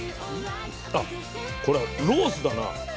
あこれはロースだな。